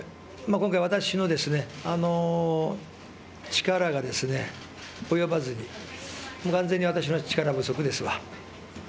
今回私の力が及ばずに完全に私の力不足ですわ。